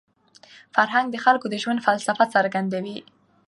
فرهنګ د خلکو د ژوند فلسفه څرګندوي.